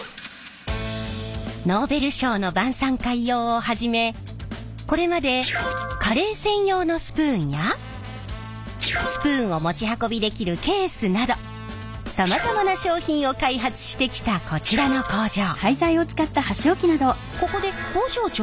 ノーベル賞の晩さん会用をはじめこれまでカレー専用のスプーンやスプーンを持ち運びできるケースなどさまざまな商品を開発してきたこちらの工場。